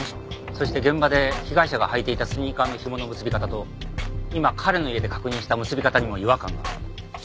そして現場で被害者が履いていたスニーカーのひもの結び方と今彼の家で確認した結び方にも違和感がある。